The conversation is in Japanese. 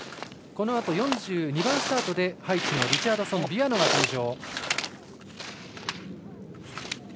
このあと、４２番スタートでハイチのリチャードソン・ビアノが登場。